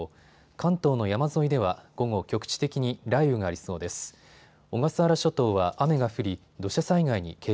関東の山沿いでは午後、局地的に雷雨がありそうです。